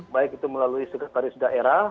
baik itu melalui sekretaris daerah